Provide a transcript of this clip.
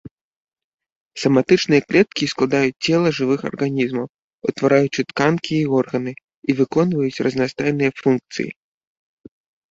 Саматычныя клеткі складаюць цела жывых арганізмаў, утвараючы тканкі і органы, і выконваюць разнастайныя функцыі.